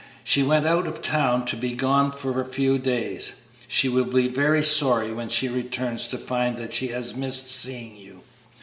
She went out of town, to be gone for a few days. She will be very sorry when she returns to find that she has missed seeing you."